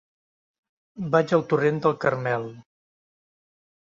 Vaig al torrent del Carmel.